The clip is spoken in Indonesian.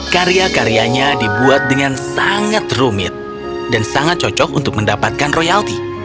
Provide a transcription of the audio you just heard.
karya karyanya dibuat dengan sangat rumit dan sangat cocok untuk mendapatkan royalti